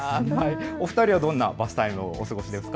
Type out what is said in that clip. お二人はどんなバスタイムをお過ごしですか。